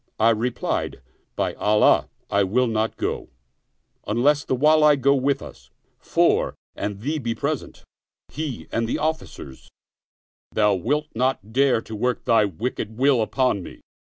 I replied, " By Allah I will not go, unless the Wali go with us ; for, an he be present, he and the officers, thou wilt not dare to work thy wicked will upon me."